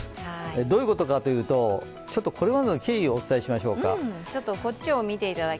どういうことかというとこれまでの経緯をお伝えしましょうか。